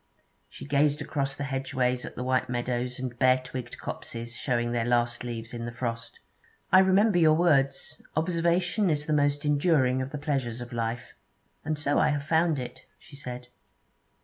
She gazed across the hedgeways at the white meadows and bare twigged copses showing their last leaves in the frost. 'I remember your words: "Observation is the most, enduring of the pleasures of life"; and so I have found it,' she said.